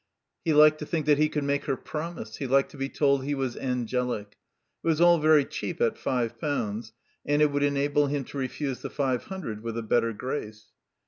He liked to think that he could make her promise. He liked to be told he was angelic. It was all very cheap at five pounds, and it would enable him to refuse the five hundred with a better grace.